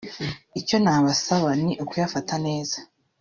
icyo nabasaba ni ukuyafata neza